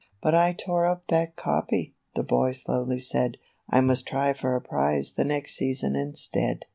" But I tore up that copy," the boy slowly said ; "I must try for a prize the next season instead."